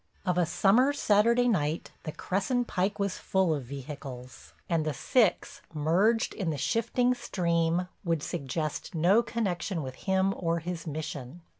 Of a summer's Saturday night the Cresson Pike was full of vehicles, and the six, merged in the shifting stream, would suggest no connection with him or his mission.